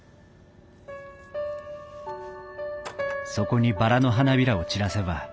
そこにバラの花びらを散らせば